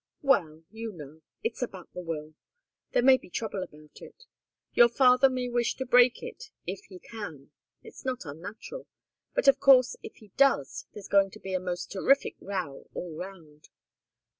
"Well you know it's about the will. There may be trouble about it. Your father may wish to break it if he can. It's not unnatural. But of course, if he does, there's going to be a most terrific row all round.